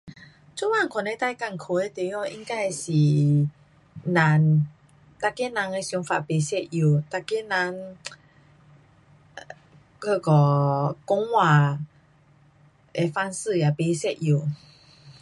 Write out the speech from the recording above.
做工可能最困苦的地方应该是人。每个人的想法不一样，每个人 um 那个讲话的方式也不一样。